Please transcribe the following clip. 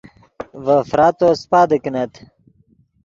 ڤے فراتو سیپادے کینت